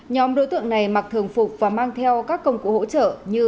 nhóm đối tượng này mặc thường phục và mang theo các công cụ hỗ trợ như